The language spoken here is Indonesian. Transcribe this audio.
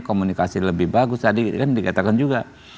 komunikasi lebih bagus tadi kan dikatakan juga